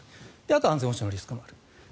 あと安全保障のリスクもある。